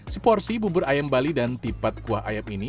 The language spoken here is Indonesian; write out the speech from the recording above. seporsi bubur ayam bali dan tipat kuah ayam ini